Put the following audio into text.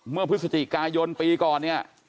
เมื่อพฤศจิกายนปีก่อนเนี่ย